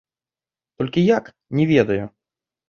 Толькі як, не ведаю.